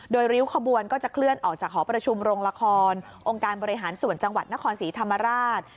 โดยริ้วขบวนก็จะเคลื่อนออกจากหอประชุมโรงละครองค์การบริหารส่วนจังหวัดนครศรีธรรมราช